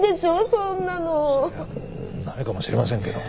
そりゃないかもしれませんけど。